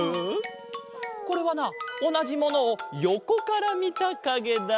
これはなおなじものをよこからみたかげだ！